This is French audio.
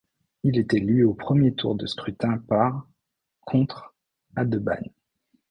Il est élu au premier tour de scrutin par contre à Debanne.